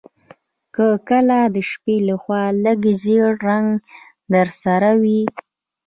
که کله د شپې لخوا لږ ژیړ رنګ درسره وي